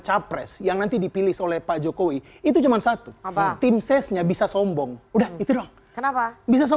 capres yang nanti dipilih oleh pak jokowi itu cuma satu apa tim sesnya bisa sombong udah gitu kenapa